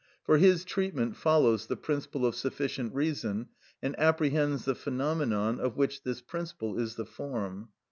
For his treatment follows the principle of sufficient reason, and apprehends the phenomenon, of which this principle is the form.